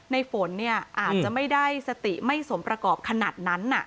ในฝนอาจจะไม่ได้สติไม่สมประกอบขนาดนั้น